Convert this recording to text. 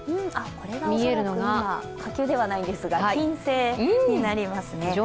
これが恐らく今、火球ではないのですが金星になります。